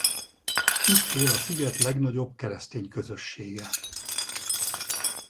Itt él a sziget legnagyobb keresztény közössége.